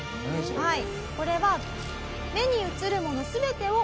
はいこれは。